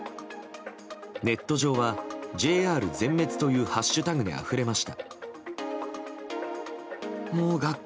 ネット上は、「＃ＪＲ全滅」というハッシュタグであふれました。